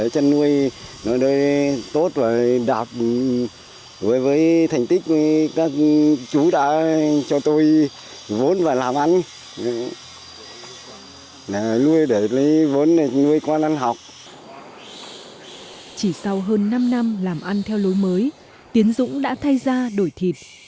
chỉ sau hơn năm năm làm ăn theo lối mới tiến dũng đã thay ra đổi thịt